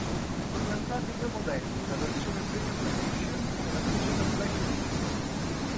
Presentati due modelli, la versione Premium Edition e la versione Black Edition.